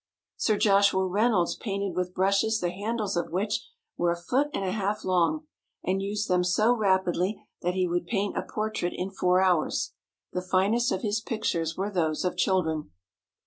Sir Joshua Reynolds painted with brushes the handles of which were a foot and a half long, and used them so rapidly that he would paint a portrait in four hours. The finest of his pictures were those of children.